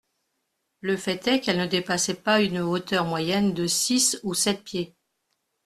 Le fait est qu'elle ne dépassait pas une hauteur moyenne de six ou sept pieds.